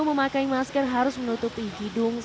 memakai masker harus menutupi hidung masker harus menutupi hidung